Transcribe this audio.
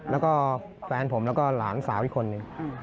แล้วก็แฟนผมแล้วก็หลานสาวอีกคนนึง